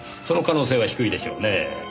その可能性は低いでしょうねぇ。